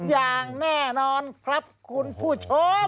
อย่างแน่นอนครับคุณผู้ชม